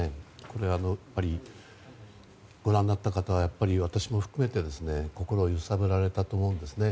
これは、やっぱりご覧になった方は私も含めて、心を揺さぶられたと思うんですね。